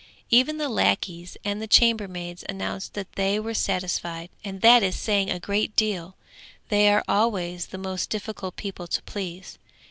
Even the lackeys and the chambermaids announced that they were satisfied, and that is saying a great deal; they are always the most difficult people to please.